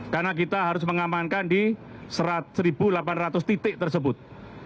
karena kita harus mengamankan di satu delapan ratus titik tersebut